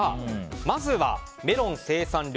まずは、メロン生産量